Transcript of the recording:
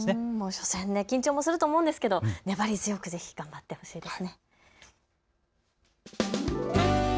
初戦で緊張すると思うんですけど粘り強くぜひ頑張ってほしいです。